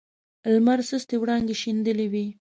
لمر سستې وړانګې شیندلې وې.